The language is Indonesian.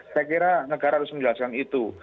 saya kira negara harus menjelaskan itu